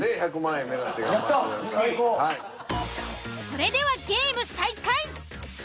それではゲーム再開。